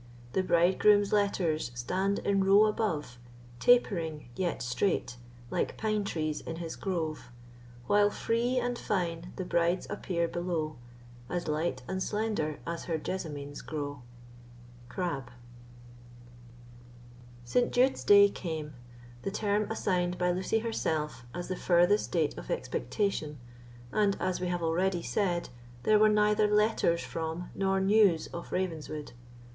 The bridegroom's letters stand in row above, Tapering, yet straight, like pine trees in his grove; While free and fine the bride's appear below, As light and slender as her jessamines grow. CRABBE. St. jude's day came, the term assigned by Lucy herself as the furthest date of expectation, and, as we have already said, there were neither letters from nor news of Ravenswood.